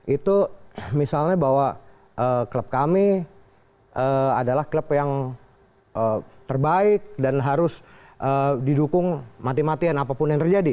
itu misalnya bahwa klub kami adalah klub yang terbaik dan harus didukung mati matian apapun yang terjadi